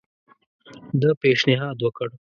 ده پېشنهاد وکړ.